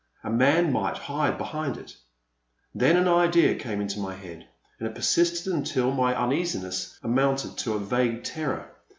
A man might hide behind it. Then an idea came into my head, and it persisted until my uneasiness amounted to a vague terror.